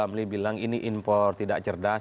amli bilang ini impor tidak cerdas